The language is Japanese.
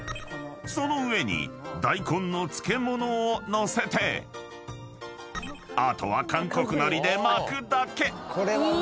［その上に大根の漬物を載せてあとは韓国海苔で巻くだけ］